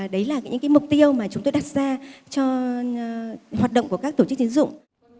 đấy là những mục tiêu mà chúng tôi đặt ra cho hoạt động của các tổ chức tiến dụng